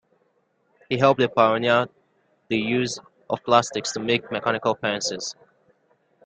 He helped pioneer the use of plastics to make mechanical pencils.